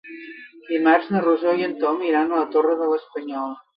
Dimarts na Rosó i en Tom iran a la Torre de l'Espanyol.